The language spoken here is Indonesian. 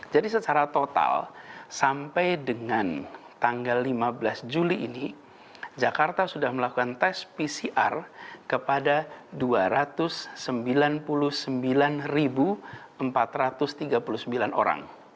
jadi secara total sampai dengan tanggal lima belas juli ini jakarta sudah melakukan tes pcr kepada dua ratus sembilan puluh sembilan empat ratus tiga puluh sembilan orang